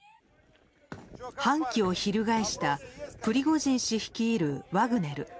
反旗を翻したプリゴジン氏率いるワグネル。